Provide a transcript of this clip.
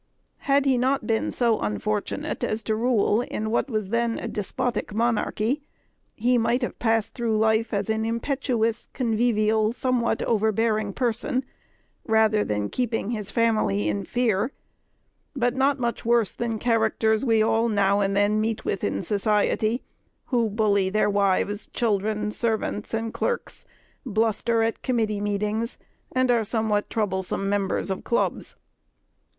Had he not been so unfortunate as to rule in what was then a despotic monarchy, he might have passed through life as an impetuous, convivial, somewhat overbearing person, rather keeping his family in fear, but not much worse than characters we all now and then meet with in society, who bully their wives, children, servants, and clerks, bluster at committee meetings, and are somewhat troublesome members of clubs.